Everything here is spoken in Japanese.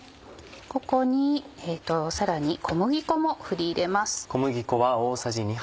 ここにさらに小麦粉も振り入れます。